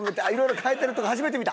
変えてるとこ初めて見た。